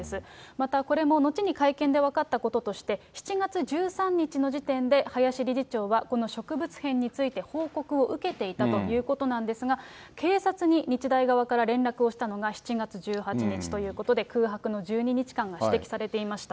また、これも後に会見で分かったこととして、７月１３日の時点で林理事長はこの植物片について報告を受けていたということなんですが、警察に日大側から連絡をしたのが７月１８日ということで、空白の１２日間が指摘されていました。